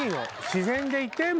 自然でいて。